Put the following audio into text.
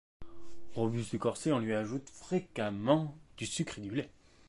Robuste et corsé, on lui ajoute fréquemment du sucre et du lait.